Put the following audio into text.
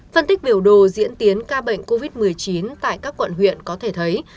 phân tích biểu đồ diễn tiến ca bệnh covid một mươi chín tại các quận huyện có thể thấy